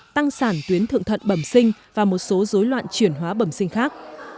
tăng sản tuyến thượng thận bẩm sinh và một số dối loạn chuyển hóa bẩm sinh khác